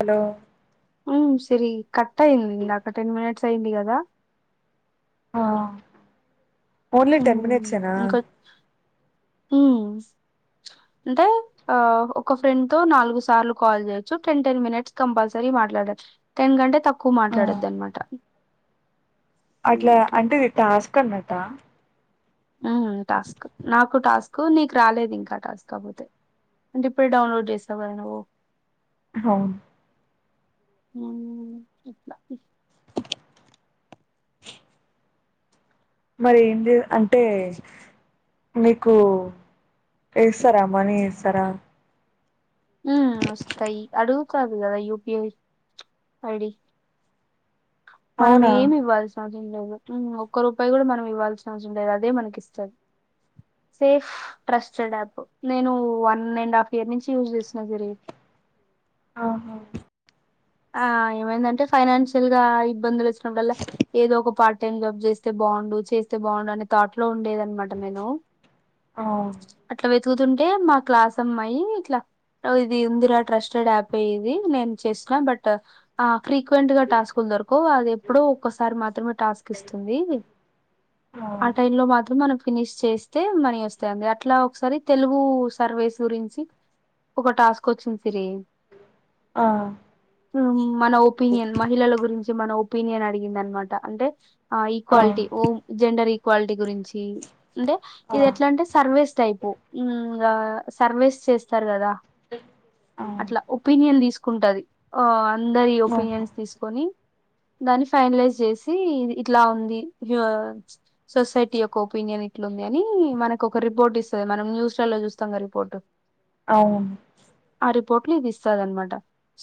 Hello హు సిరి cut అయింది ఇందాక టెన్ మినిట్స్ అయింది కదా ఆ ఓన్లీ ఉమ్ టెన్ మినిట్స్ ఎన ఇంకో ఉమ్ అంటే ఆ ఒక ఫ్రెండ్ తో నాలుగు సార్లు కాల్ చేయొచ్చు టెన్ టెన్ మినిట్స్ కంపల్సరీ వా మాట్లాడ టెన్ కంటే తక్కువ మాట్లాడొద్దు అన్న మాట అట్లా అంటే ఇది టాస్క్ అన్నట్ట ఉ టాస్క్ నాకు టాస్క్ నీకు రాలేదు ఇంకా టాస్క్ కాకపోతే అంటే ఇప్పుడు డౌన్లోడ్ చేసావుకదా నువ్వు అవును [unintelligible] [unintelligible] మరి ఏంది అంటే మీకు వేస్తారా మనీ వేస్తారా హు వస్తాయి అడుగుతాది కదా యూపిఐ ఐడి మనం అవునా ఏమి ఇవ్వాల్సిన అవ ఏమ్ లేదు ఒక్క రూపాయి కూడా మనం ఇవ్వాల్సిన అవసరం లేదు అదే మనకి ఇస్తాది సేఫ్ ట్రస్టెడ్ యాప్ నేను వన్ అండ్ హాఫ్ ఇయర్ నుంచి యూజ్ చేసిన సిరి [unintelligible] ఆహా ఆ ఏమైందంటే ఫైనాన్షియల్ గా ఇబ్బందులు వచ్చినప్పుడల్ల ఏదో ఒక పార్ట్ టైమ్ జాబ్ చేస్తే బా బాగుండు చేస్తే బాగుండు అనే తాట్ లో ఉండేదనమాట నేను అవును వెతుకుతుంటే మా క్లాస్ అమ్మాయి ఇట్లా అది ఏందిరా ట్రస్టెడ్ యాప్ ఏం ఇది నేను చేసిన బట్ ఆ ఫ్రీక్వెంట్ గా టాస్కులు దోరకావు అది ఎప్పుడో ఒక్కసారి ఆ అవును టైమ్ లో మాత్రం మనం ఫినిష్ చేస్తే మనీ వస్తాంది అట్లా ఒకసారి తెలుగు సర్వేస్ గురించి ఒక టాస్క్ వచ్చింది సిరి ఆ హ్మ్ మన ఒపీనియన్ మహిళల గురించి మన ఒపీనియన్ అడిగిందనమాట అంటే ఆ ఈక్వాలిటీ ఓమ్ జెండర్ ఈక్వాలిటీ గురించి అంటే ఇది ఎట్లా అంటే సర్వేస్ టైపు ఇంగ సర్వేస్ చేస్తారు కదా ఆ అట్లా ఒపీనియన్ తీసుకుంటది అందరి ఒపీనియన్స్ తీసుకొని దాన్ని ఫైనలైజ్ చేసి ఇట్లా ఉంది సొసైటీ యొక్క ఒపీనియన్ ఏంది ఇట్లు ఉంది అని మనకు ఒక రిపోర్ట్ ఇస్తాది మనం న్యూస్ ల లో చూస్తాం కదా రిపోర్ట్ అవును పోట్లీ దిస్తారమాట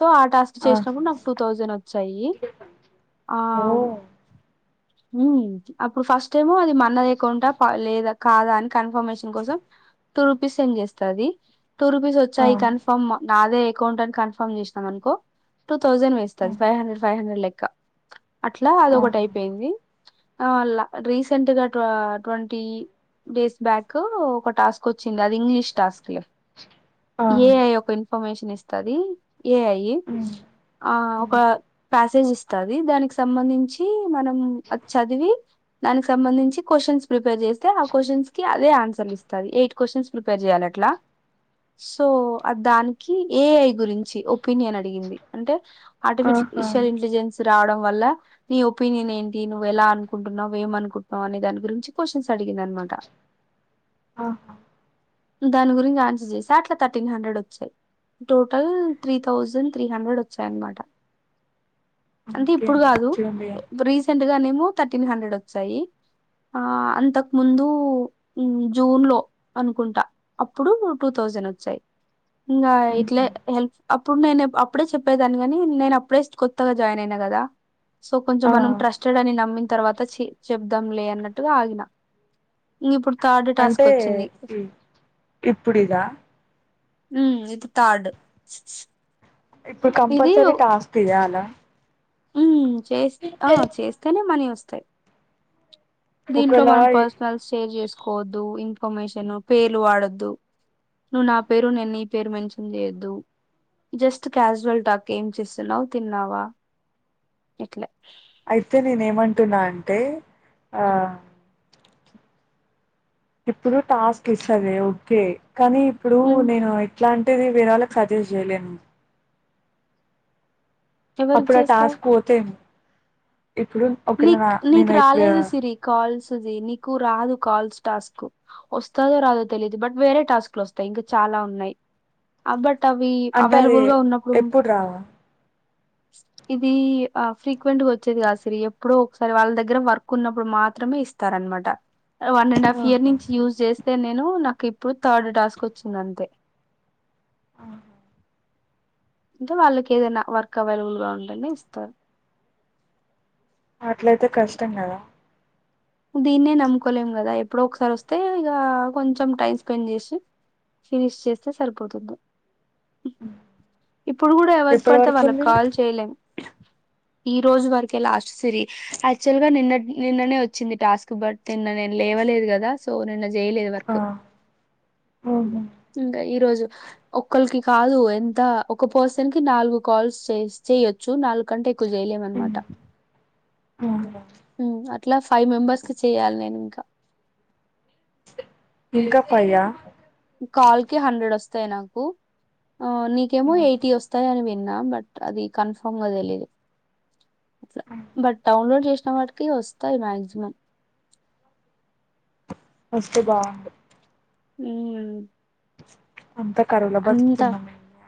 సో ఆ టాస్క్ ఆ చేసినప్పుడు నాకు టూ థౌజండ్ వచ్చాయి ఆ ఓ అప్పుడు ఫస్ట్ టేమో అది మా అన్నయ్య అకౌంట్ ఆ పడలేద కాదా అని కన్ఫర్మేషన్ కోసం టూ రూపీస్ సెండ్ చేస్తాది టూ రూపీస్ ఆ వచ్చాయి కన్ఫామ్ నాదే అకౌంట్ అని కన్ఫామ్ చేస్ అనుకో టూ థౌజండ్ వస్తాది ఫైవ్ హండ్రెడ్ ఫైవ్ హండ్రెడ్ లెక్క అట్లా అది ఒకటి ఆహా అయిపోయింది ఆ రీసెంట్ గా ట్వంటీ డేస్ బ్యాక్ ఒక టాస్క్ వచ్చింది అది ఇంగ్లీష్ టాస్క్ లే ఆ ఏఐ ఒక ఇన్ఫర్మేషన్ ఇస్తాది ఏఐ ఉమ్ ఆ ఒక ఉమ్ ప్యాసేజ్ ఇస్తది దానికి సంబంధించి మనం చదివి దానికి సంబంధించి క్వశ్చన్ స్ ప్రిపేర్ చేస్తే ఆ క్వశ్చన్స్ కి అదే ఆన్సర్లు ఇస్తాది ఎయిట్ క్వశ్చన్స్ ప్రిపేర్ చేయాల అట్లా సో దానికి ఏఐ గురించి చి ఒనియన్ అడిగింది అంటే ఆహా ఆర్టిఫిషల్ ఇంటెలిజెన్స్ రావడం వల్ల నీ ఒపీనియన్ ఏంటి నువ్వు ఎలా అనుకుంటున్నావ్ ఏమ్ అనుకుంటున్నావు అనే దాని గురించి క్వశ్చన్స్ అడిగి గింది అన్మట ఆహా దాని గురించి ఆన్సర్ చేసాఅట్లా థర్టీన్ హండ్రెడ్ వచ్చాయి త్రీ థౌజండ్ త్రీ హండ్రెడ్ వచ్చాయన మాట అంటే ఇప్పుడు ఇంకేంటి కాదు మంచిగుందిగా రీసెంట్ గానేమో థర్టీన్ హండ్రెడ్ వచ్చాయి ఆ అంతకు ముందు జూన్ లో అనుకుంటా అప్పుడు టూ థౌజ జండ్ వచ్చాయి ఉహు అప్పుడు నేను అప్పుడే చెప్పేదాన్ని కాని నేను అప్పుడే కొత్తగా జాయిన్ అయినా కదా సో కొంచెం మనం ఆ ట్రస్టెడ్ అని నమ్మిన్ తర్వాత చి చెబుదాం లే అన్నట్టుగా ఆగిన థర్డ్ టాస్క్ అంటే వచ్చింది ఇ ఇప్పుడు ఇదా మ్మ్ ఇది థార్డ్ ఇప్పుడు కంపల్సరీ టాస్క్ కవాల హ్మ్. చేస్ ఆ చేస్తేనే మనీ వస్తాయి దీంట్లో ఒకవేళ మనం పర్సనల్ షేర్ చేసుకోవద్దు ఇన్ఫర్మేషన్ పేర్లు వాడొద్దు నువ్వు నా పేరు నేన్నీ పేరు మెన్షన్ చేయద్దు జస్ట్ క్యాజువల్ టాక్ ఏం చేస్తున్నావు తిన్నావా ఎట్లే అయితే నేను ఏమంటున్నా అంటే ఆ ఇప్పుడు టాస్క్ ఇస్తుంది ఓకే కానీ ఇప్పుడు హ్మ్. నేను ఎట్లాంటి అది వేరే వాళ్ళకి సజెస్ట్ చేయలేను ఎవరికి అప్పుడ చేస్తావు? టాస్క్ పోతే ఇప్పుడు ఒకవేళ నా నీక్ నీకు నేను ఇప్పుడు రాలేదు సిరి కాల్స్ నీకు రాదు కాల్స్ టాస్క్ వస్తు రాదో తెలిదు బట్ వేరే టాస్క్లు వస్తాయి ఇంకా చాలా ఉన్నాయి బట్ అవి అంటే అది అవైలబుల్ గా ఉన్నప్పుడు ఎప్పుడు రావా ఇది ఆ ఫ్రీక్వెంట్ గా వచ్చేది కా సిరి ఇప్పుడు ఒకసారి వాళ్ళ దగ్గర వర్క్ ఉన్నప్పుడు మాత్రమే ఇస్తార అనమాట వన్ అండ్ హాఫ్ ఇయర్ ఆహా నుంచి యూస్ చేస్తే అ నేను నాకు ఇప్పుడు థర్డ్ టాస్క్ వచ్చింది అంతే ఆహా అంటే వాళ్ళకి ఏదైనా వర్క్ అవైలబుల్ గా ఉండని ఇస్తారు అట్లయితే కష్టం కదా దీన్నే నమ్ముకోలేం కదా ఎప్పుడో ఒకసారి వస్తే ఇక కొంచెం టైం స్పెండ్ చేసి ఫినిష్ చేస్తే సరిపోతుంది ఇప్పుడు కూడా ఎవరికి ఎప్పటి పడితే వరకు వాళ్ళకి ఉంది కాల్ చేయలేము ఈ రోజు వరకే లాస్ట్ సిరి యాక్చువల్ గా నిన్న నిన్ననే వచ్చ వచ్చింది టాస్క్ బట్ నిన్న నేను లేవలేదు కదా సో నిన్న చేయలేదు ఆ వర్క్ ఈ రోజు ఒకలకి కాదు ఎంత ఒక పర్సన్ కి నాలుగు కాల్స్ చేయొచ్చు నాలుగు కంటే వేలేమ అనమాట అట్లా ఫైవ్ మెంబర్స్ కి చేయ్యాలి నేను ఇంకా ఇంకా ఫైయ్యా కాల్ కి హండ్రెడ్ వస్తాయి నాకు ఆ నీకేమో ఎయిటీ వస్తాయి అని వి బట్ అది కన్ఫర్మ్ గా లేదు అట్లా బట్ డౌన్లోడ్ చేసిన వాటికి వస్తాయి మా్యాక్సిమం వస్తె బాగుండు హు అంత కరోనా బతుకు కింద మీ దా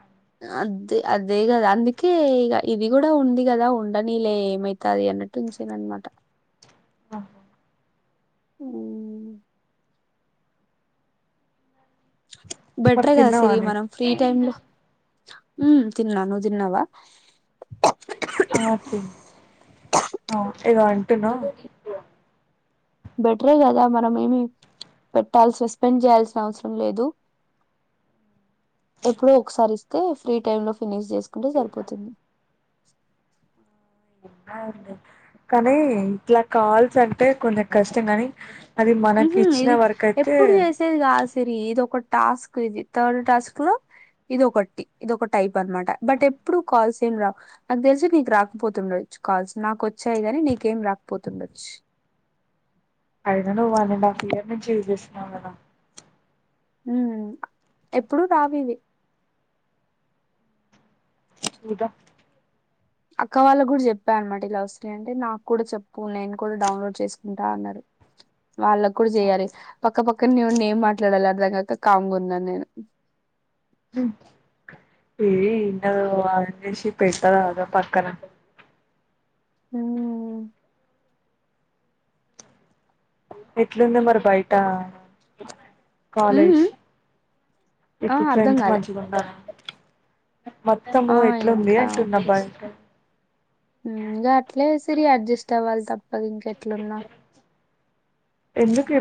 అదే అదే కదా అందుకే ఇక ఇది కూడా ఉంది కదా ఉండనీలే ఏమైతంది అని అనిపించిందన్నమాట ఆ ఊ మరి బెటర్ కదు సిరి తిన్నావానే మనం ఫ్రీ టైమ్ లో ఉ తిన్నాను తిన్నావా ఆ తిన్న తిన్నఆ ఇదో అంటున్నావు బెటరే కదా మనం ఏమి పెట్టాలి సస్పెండ్ చేయాల్సిన అవసరం లేదు ఎప్పుడో ఒకసారి ఇస్తే ఫ్రీ టైమ్ లో ఫినిష్ చేసుకుంటే సరిపోతుంది కానీ ఇట్లా కాల్స్ అంటే కొంచె కష్టం కాని ఉహు ఇది ఎప్పుడు చేసేది కాదు సిరి ఇదొక టాస్కుదిత [unintelligible] టౌవాలా ఇది ఒకటి ఇది ఒక టైప్ అనమాట బట్ ఎప్పుడు కాల్స్ ఏం రావు నాకు తెలిసి నీకు రాకపోతుండది అది కాల్స్ నాకు వచ్చాయి కాగానీ నీకేం రాకపోతుండొచ్చు అయినా నువ్వు వన్ అండ్ హాఫ్ ఇయర్ నంచి యూజ్ చేస్తున్నావు కదా ఉ ఎప్పుడు రావు ఇవి ఇంకా అక్క వాళ్ళ కూడా చెప్పా అన్నమాట ఇలా వస్తున్నాయంటే నాకు కూడా చెప్పు నేను కూడా డౌన్లోడ్ చేసుకుంటా అన్నారు వాళ్ళకు కూడా చేయాలి పక్కపక్క నే ఉండి ఏం మాట్లాడాలి అ [inaudible] కామ్ గున్న నేను నేను [unintelligible] ఇది ఇన్నద ఆన్ చేసి పెట్టరాదు రా పక్కన ఉమ్ ఎట్లుంది మరి బయట కాలేజ్ ఉమ్ ఆ ఎప్పుడు అర్ధం ఫ్రెండ్స్ కాలే మంచిగా ఉన్నారా మొత్తము ఆ ఎట్లుంది అంటున్న బయట హు గట్లే సిరి అడ్జెస్ట్ అవలిసి అది ఇంక ఎట్లున్నా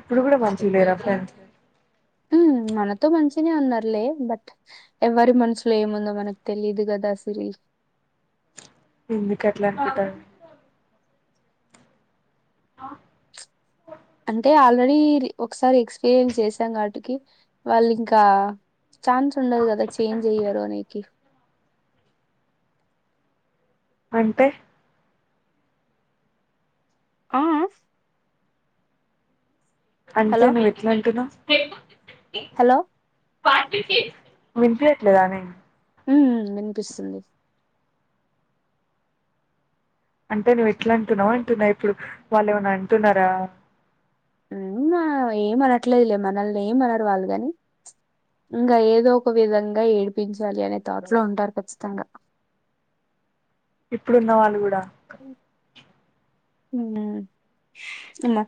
ఇప్పుడు కూడా మంచి లేరా ఫ్రెండ్స్ ఉహు మనతో మంచిగానే ఉన్నారులే బట్ ఎవరి మనసులో ఏముందో మనకు తెలియదు కదా సిరి [inaudible] ఎందుకు ఎట్లా అనుకుంటన్నావు ఆ అంటే ఆల్రెడీ ఒకసారి ఎక్స్పీరియన్స్ చేశాం గా వాటికి వాళ్ళు ఇంకా చఛాన్స్ ఉండదు కదా చేంజ్ చెయ్యరు అనేకి అంటే ఆహ ఆ అంటే హలో నువ్వుఎట్లా అంటున్నావు హలో వినిపియ్యట్లేదానే ఉహు వినిపిస్తుంది అంటే నువ్వు ఎట్లా అంటున్నావా అంటున్నా ఇప్పుడు వాళ్ళు ఏమన్నా అంటున్నారా అవునా ఏమనట్లేదులే మనల్ని ఏమనరు వాళ్ళుగాని ఇంకా ఏదో ఒక విధంగా ఏడిపించాలి అనే థాట్ లో ఉంటారు ఖచ్చితంగా [inaudible] ఇప్పుడు ఉన్న వాళ్ళు కూడా ఉహు ఉన్న హు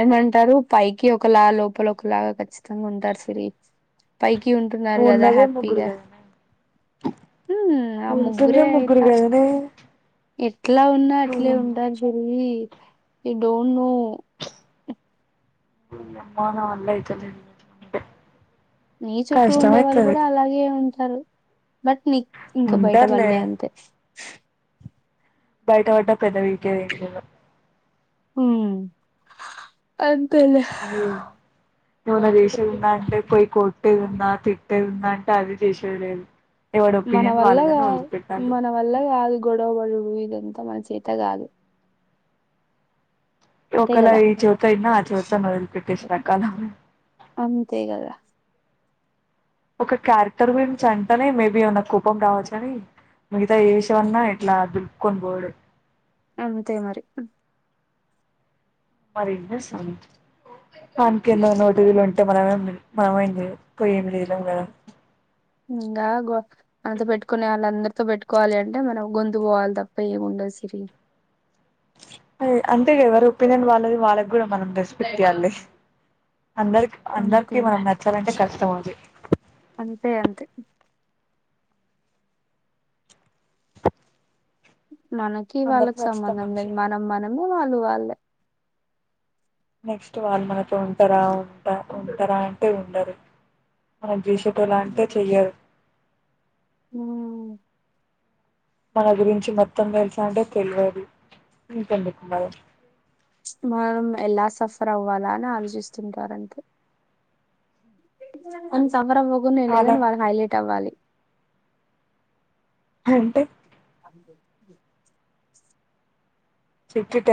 ఏమంటారు పైకి ఒకలా లోపల ఒకలాగా ఖచ్చితంగా ఉంటారు సిరి పైకి ఉంటున్నారు నువ్వు కదా ఉన్నదే ముగ్గురు హ్యాపీగా కదనే హు ఆ నువ్వు ఉంటుందే ముగ్గురే ముగ్గురు అయ్యిరా కదనే ఎట్లా ఉన్నా అట్లే ఉంటారు ఓయమ్మా సిరి యూ డోంట్ నో ఓ నీ అమ్మ నా వల్ల అయితేలేదు [inaudible] ఉంటే నీ చుట్టూ ఉండే వాళ్ళు కూడా అలాగే ఉంటారు బట్ నీకు ఇంకా బయట ఉంటారులే పల్లె అంతే బయటపడ్డా పెద్ద పీకేది ఏం లేదు వా హు అంతేలే అది ఏమన్నా చేసేది వుందా అంటే పోయి కొట్టేది ఉన్నాద తిట్టేది ఉన్నా అంటే అది చేసేలేదు మన వల్ల గాదు మన వల్ల గాదు గొడవ పడుడు ఇ ఇదంతా మన చేత కాదు అంతే ఒకల కదా ఈ చెవితో మిన్న ఇ ఆ చెవితో వదిలిపెట్టేసే రకాలు అంతేగదా ఒక క్యారెక్టర్ గురించి అంటనే మేబి ఏమన్నా కోపం రావచ్చ అని మిగతాఏ విషయం అన్న ఇట్లా దులుపుకొని పోవుడే అంతే మరి మరేం చేస్తాం. పన్కింద నోటి దూల ఉంటే. మనమే మనమేం జేయ్లే పోయి ఏంలేయ్లేం గాద ఇంగాగో అంతో పెట్టుకునే వాళ్ళు అందరితో పెట్టుకోవాలి అంటే. మనం గొంతు పోవాలి తప్ప ఏం ఉండద్. ద్ సిరి రే అంతే గదా రేప్పీనియన్ వాళ్ళది. వాళ్ళక్ గూడా మనం రెస్పెక్ట్ ఇయ్యాల్లే. అందరిక్ అందరికి మనం అంతేలే నచ్చాలంటే కష్టం. అది అంతే అంతే మనకి అందరికి వాళ్ళకి నచ్చుతాం సంబంధం మనిషి లేద్. మనం మనమే, వాళ్ళు వాళ్ళే. నెక్స్ట్ వాళ్ళు మనతో ఉంటారా. ఉంట ఉంటారా అంటే ఉండరు. అద్జీషోటలాంటే చెయ్యార్ ఊహ్ మన గురించి మొత్తం తెల్సా అంటే తెల్వాదు. ఇంకెందుకు భయం. ప్చ్ మనం ఎలా సఫర్ అవ్వాలా అని ఆలోచిస్తుంటారంతే. కొన్ సంవరం పోకునా ఏం లేదు గాని. కాలం వాళ్ళకి హైలైట్ అవ్వాలి. అంటే అవి బెస్ట్యే చిట్చితన్